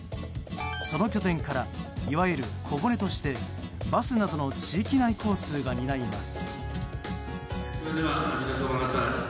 その拠点からいわゆる小骨としてバスなどの地域内交通が担います。